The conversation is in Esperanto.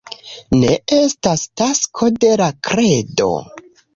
Ne estas tasko de la kredo.